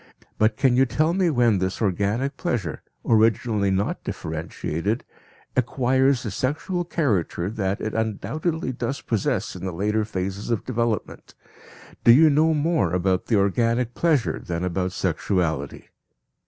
But can you tell me when this organic pleasure, originally not differentiated, acquires the sexual character that it undoubtedly does possess in the later phases of development? Do you know more about the "organic pleasure" than about sexuality?